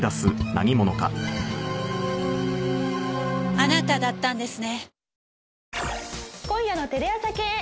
あなただったんですね。